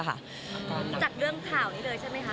จากเรื่องข่าวนี้เลยใช่ไหมคะ